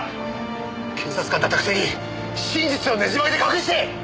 警察官だったくせに真実を捻じ曲げて隠して！